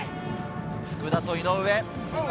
福田と井上。